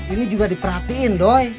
ini juga diperhatiin doi